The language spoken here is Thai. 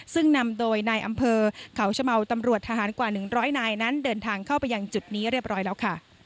ซึ่งนำโดยนายอำเภอเขาชะเมาตำรวจทหารกว่า๑๐๐นายนั้นเดินทางเข้าไปยังจุดนี้เรียบร้อยแล้วค่ะ